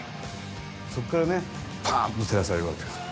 そこからねパンって照らされるわけですよ。